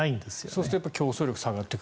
そうすると競争力が下がると。